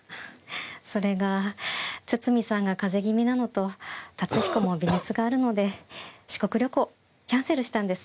それが堤さんが風邪気味なのと龍彦も微熱があるので四国旅行キャンセルしたんです。